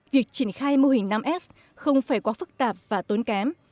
việc triển khai mô hình năm s không phải quá phức tạp và tốn kém